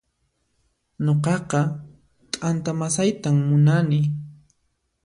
Nuqaqa t'anta masaytan munani